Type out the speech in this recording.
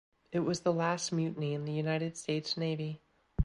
It was the last mutiny in the United States Navy.